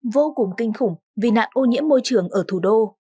vô cùng kinh khủng vì nạn ô nhiễm môi trường ở thủ đô